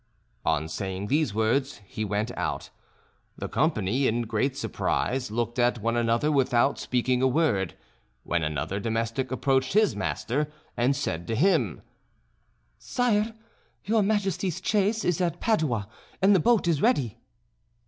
On saying these words he went out. The company in great surprise looked at one another without speaking a word, when another domestic approached his master and said to him: "Sire, your Majesty's chaise is at Padua, and the boat is ready."